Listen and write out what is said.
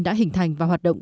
đã hình thành và hoạt động